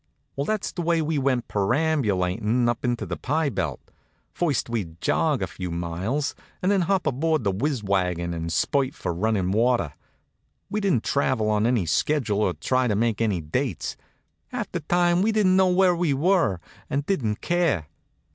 Well, that's the way we went perambulatin' up into the pie belt. First we'd jog a few miles, then hop aboard the whiz wagon and spurt for running water. We didn't travel on any schedule or try to make any dates. Half the time we didn't know where we were, and didn't care.